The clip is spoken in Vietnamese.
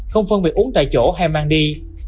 không phân biệt uống tại chỗ hay mang đi